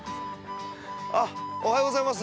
ああ、おはようございます。